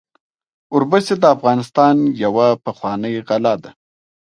وربشې د افغانستان یوه پخوانۍ غله ده.